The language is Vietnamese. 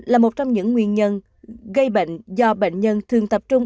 là một trong những nguyên nhân gây bệnh do bệnh nhân thường tập trung